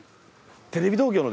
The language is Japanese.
テレビ東京の。